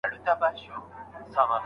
د ټولنیزو تجربو تحریف مه کوه.